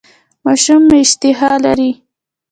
ماشوم مو اشتها لري؟